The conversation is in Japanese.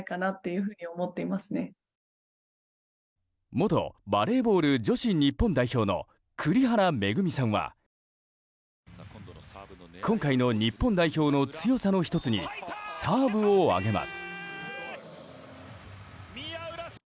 元バレーボール女子日本代表の栗原恵さんは今回の日本代表の強さの１つにサーブを挙げます。